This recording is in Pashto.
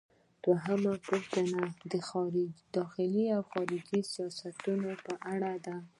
دوهمه پوښتنه د داخلي او خارجي سیاست په اړه ده.